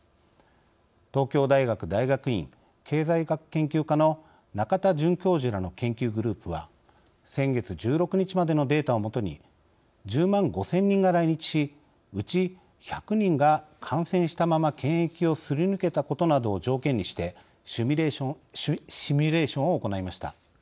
東京大学大学院経済学研究科の仲田准教授らの研究グループは先月１６日までのデータをもとに１０万５０００人が来日しうち１００人が感染したまま検疫をすり抜けたことなどを条件にしてシミュレーションを行いました。